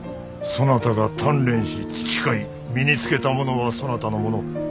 そなたが鍛錬し培い身につけたものはそなたのもの。